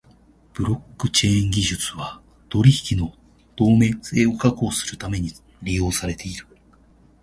ブロックチェーン技術は取引の透明性を確保するために利用されている。